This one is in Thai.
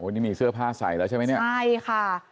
นี่มีเสื้อผ้าใส่แล้วใช่ไหมเนี่ยใช่ค่ะ